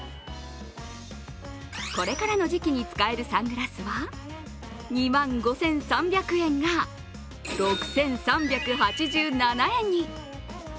これからの時期に使えるサングラスは２万５３００円が６３８７円に。